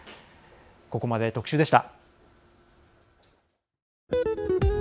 ここまで特集でした。